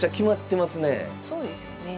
そうですよね。